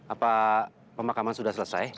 apa pemakaman sudah selesai